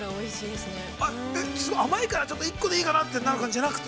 ◆すごい甘いから、１個でいいかなって、なる感じじゃなくて。